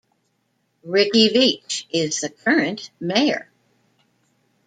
Rickey Veach is the current mayor.